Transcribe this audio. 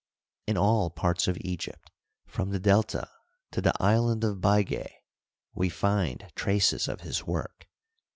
In all parts of Egypt, from the Delta to the island of Bigeh, we find traces of his work.